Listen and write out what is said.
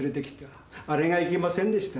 あれがいけませんでした。